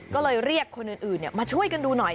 ก็เลยเรียกคนอื่นมาช่วยกันดูหน่อย